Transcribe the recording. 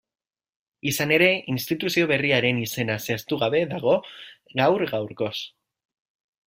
Izan ere, instituzio berriaren izena zehaztugabe dago gaur-gaurkoz.